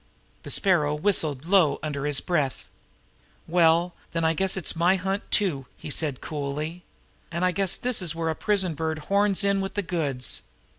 The Sparrow whistled low under his breath. "Well, then, I guess it's my hunt too," he said coolly. "And I guess this is where a prison bird horns in with the goods.